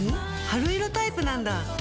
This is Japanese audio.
春色タイプなんだ。